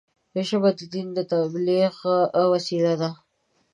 ژبه د دین د تبلیغ وسیله ده